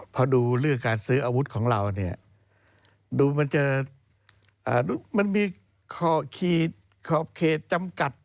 พอดูเรื่องการซื้ออาวุธของเราเนี่ยดูมันจะมันมีขอบเขตจำกัด